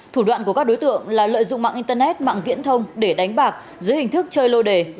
thủ đoạn của các đối tượng là lợi dụng mạng internet mạng viễn thông để đánh bạc dưới hình thức chơi lô đề